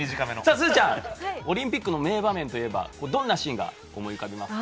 すずちゃんオリンピックの名場面といえば、どんなシーンが思い浮かびますか？